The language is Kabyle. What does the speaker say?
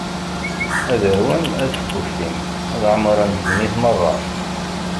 Ad arwen, ad ffuktin, ad ɛemṛen ddunit meṛṛa.